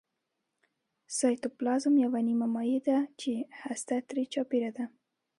سایتوپلازم یوه نیمه مایع ماده ده چې هسته ترې چاپیره ده